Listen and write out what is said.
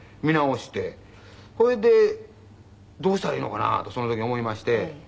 それでどうしたらいいのかなとその時に思いまして。